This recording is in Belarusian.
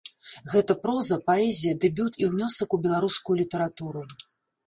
Гэта проза, паэзія, дэбют і ўнёсак у беларускую літаратуру.